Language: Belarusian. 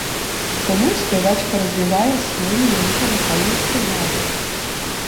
Таму спявачка развівае свой менавіта выканальніцкі дар.